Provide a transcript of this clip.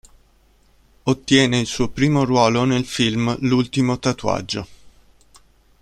Ottiene il suo primo ruolo nel film L'ultimo tatuaggio.